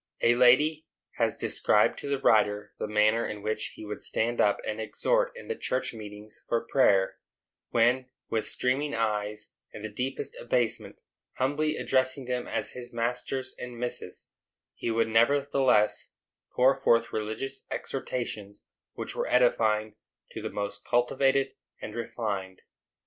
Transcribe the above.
A lady has described to the writer the manner in which he would stand up and exhort in the church meetings for prayer, when, with streaming eyes and the deepest abasement, humbly addressing them as his masters and misses, he would nevertheless pour forth religious exhortations which were edifying to the most cultivated and refined.